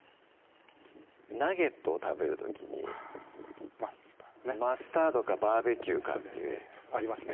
ナゲットを食べる時にマスタードかバーベキューかっていうありますね